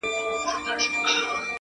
• ته هم وایه ژوند دي څرنګه تیریږي -